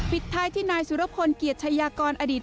ปิดท้ายที่นายสุรพลเกียรติชายากรอดีต